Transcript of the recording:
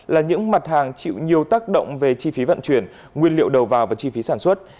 là những mặt hàng chịu nhiều tác động về chi phí vận chuyển nguyên liệu đầu vào và chi phí sản xuất